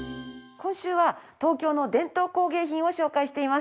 今週は東京の伝統工芸品を紹介しています。